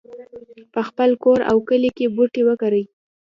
په خپل کور او کلي کې بوټي وکرئ